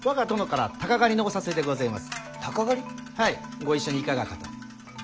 ご一緒にいかがかと。